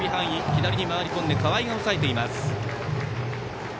左に回りこんで河合が押さえています。